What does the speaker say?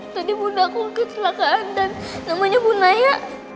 tadi bunda aku kecelakaan dan namanya bu naya